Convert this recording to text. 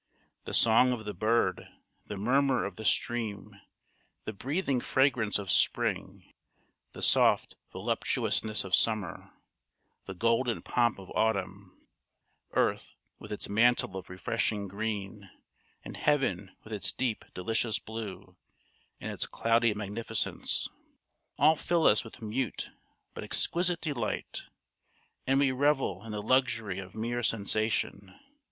The song of the bird, the murmur of the stream, the breathing fragrance of spring, the soft voluptuousness of summer, the golden pomp of autumn; earth with its mantle of refreshing green, and heaven with its deep delicious blue and its cloudy magnificence, all fill us with mute but exquisite delight, and we revel in the luxury of mere sensation.